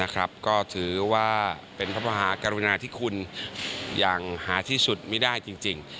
ก็ถือว่าเป็นพระมหากรุณาที่คุณอย่างหาที่สุดไม่ได้จริง